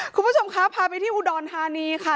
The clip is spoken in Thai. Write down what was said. คุณผู้ชมคะพาไปที่อุดรธานีค่ะ